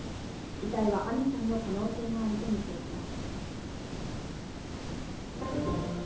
遺体は阿見さんの可能性があるとみています。